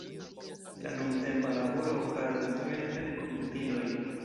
La nuntempa laboro okazas helpe de komputiloj.